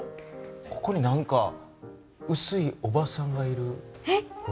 ここに何かうすいおばさんがいる。